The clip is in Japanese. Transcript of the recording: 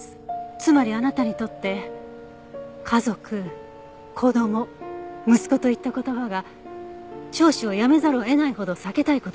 つまりあなたにとって「家族」「子供」「息子」といった言葉が聴取をやめざるを得ないほど避けたい言葉だったとしたら。